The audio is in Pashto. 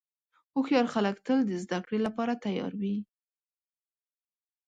هوښیار خلک تل د زدهکړې لپاره تیار وي.